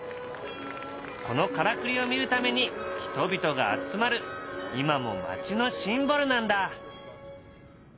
このからくりを見るために人々が集まる今も街のシンボルなんだ。